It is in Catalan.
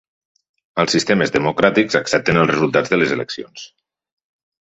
Els sistemes democràtics accepten els resultats de les eleccions.